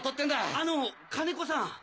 あの金子さん！